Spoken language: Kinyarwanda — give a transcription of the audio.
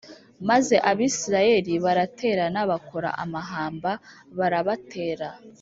Maze Abisirayeli baraterana, bakora amahamba barabatera